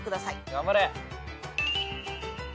頑張れ。